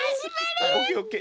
オッケーオッケー。